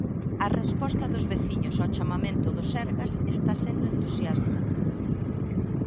A resposta dos veciños ao chamamento do Sergas está sendo entusiasta.